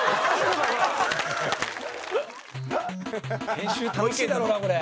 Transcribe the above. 「編集楽しいだろうなこれ」